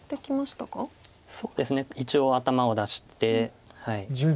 そうですね一応頭を出して。